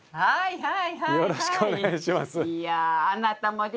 はい。